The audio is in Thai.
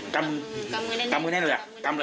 กำมือแน่นเลย